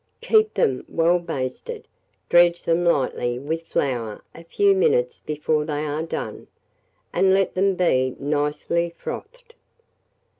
Keep them well basted, dredge them lightly with flour a few minutes before they are done, and let them be nicely frothed.